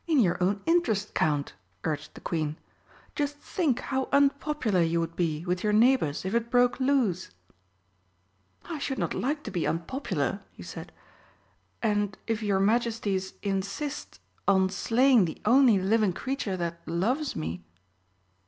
"In your own interest, Count," urged the Queen. "Just think how unpopular you would be with your neighbours if it broke loose!" "I should not like to be unpopular," he said. "And if your Majesties insist on slaying the only living creature that loves me